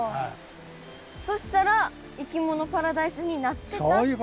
そしたらいきものパラダイスになってたっていう。